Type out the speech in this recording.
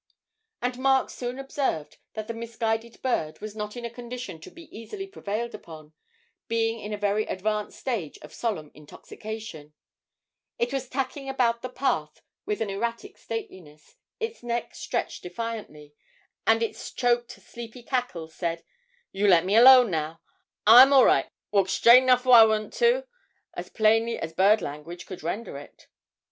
And Mark soon observed that the misguided bird was not in a condition to be easily prevailed upon, being in a very advanced stage of solemn intoxication; it was tacking about the path with an erratic stateliness, its neck stretched defiantly, and its choked sleepy cackle said, 'You lemme 'lone now, I'm all ri', walk shtraight enough 'fiwan'to!' as plainly as bird language could render it.